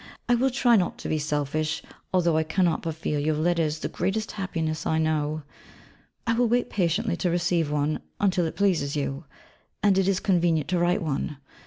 I will try not to be selfish; although I cannot but feel your letters the greatest happiness I know. I will wait patiently to receive one, until it pleases you, and it is convenient to write one.